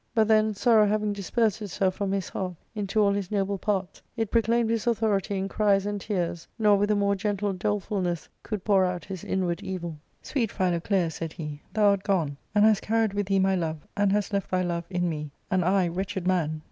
But then, sorrow having dispersed itself from his heart into all his noble parts, it proclaimed his authority in cries and tears, nor with a more gentle dolefulness coulo^our out his inward evil "Sweet Philoclea," said he, "thou art gone, and hast carried with thee my love, and hast left thy love in me ; and I, wretched man